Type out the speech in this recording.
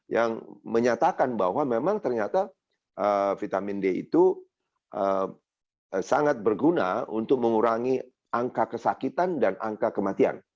yang menyatakan bahwa memang ternyata vitamin d itu sangat berguna untuk mengurangi angka kesakitan dan angka kematian